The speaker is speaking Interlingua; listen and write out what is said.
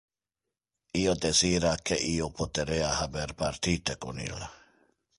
Io desira que io poterea haber partite con illa.